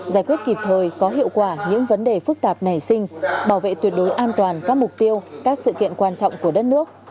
giải quyết kịp thời có hiệu quả những vấn đề phức tạp nảy sinh bảo vệ tuyệt đối an toàn các mục tiêu các sự kiện quan trọng của đất nước